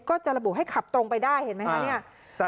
ก็จะระบุให้ขับตรงไปได้เห็นไหมคะเนี่ย